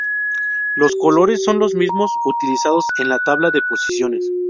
Los colores son los mismos utilizados en la tabla de posiciones.